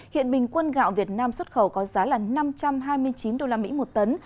hiện bình quân gạo việt nam xuất khẩu có giá là năm trăm hai mươi chín usd một tấn